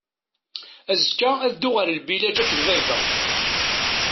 Azekka ad dduɣ ɣer lbilaǧ akked baba.